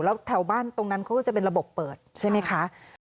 แล้วแถวบ้านตรงนั้นเขาก็จะเป็นระบบเปิดใช่ไหมคะ